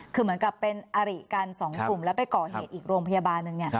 คือเหมือนกับเป็นอริกันสองกลุ่มแล้วไปก่อเหตุอีกโรงพยาบาลหนึ่ง